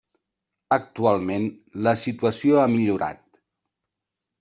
Actualment la situació ha millorat.